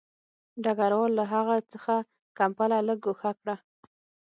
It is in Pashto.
ډګروال له هغه څخه کمپله لږ ګوښه کړه